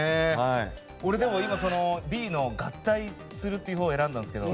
俺、Ｂの合体するっていうほう選んだんですけど。